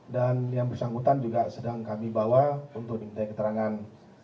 dan yang bersangkutan juga sedang kami bawa untuk di mta keterangan